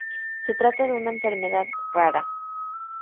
Se trata de una enfermedad rara.